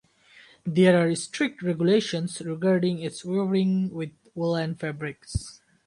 There are strict regulations regarding its wearing with woollen fabrics.